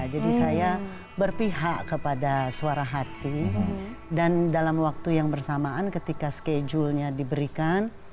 jadi saya berpihak kepada suara hati dan dalam waktu yang bersamaan ketika schedule nya diberikan